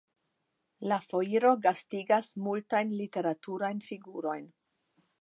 La foiro gastigas multajn literaturajn figurojn.